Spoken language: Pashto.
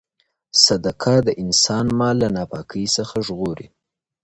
صدقه د انسان مال له ناپاکۍ څخه ژغوري.